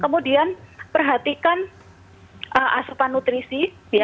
kemudian perhatikan asetan nutrisi ya